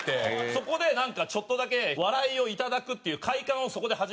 そこでちょっとだけ笑いをいただくっていう快感をそこで初めて覚えまして。